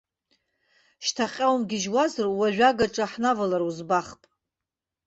Шьҭахьҟа умгьежьуазар уажәы агаҿа ҳнавалар узбахп.